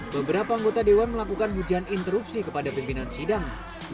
beberapa anggota dewan melakukan hujan interupsi kepada pimpinan sidang